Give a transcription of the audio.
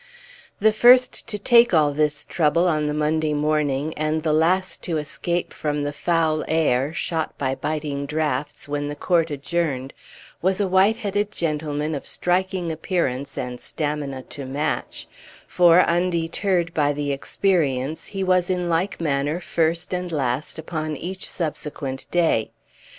The first to take all this trouble on the Monday morning, and the last to escape from the foul air (shot by biting draughts) when the court adjourned, was a white headed gentleman of striking appearance and stamina to match; for, undeterred by the experience, he was in like manner first and last upon each subsequent day.